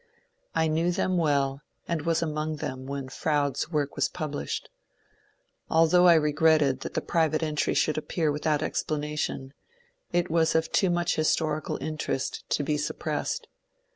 I knew them well, and was among them when Froude's work was published. Although I regretted that the private entry should appear without explanation, it was of too much historical interest to be suppressed.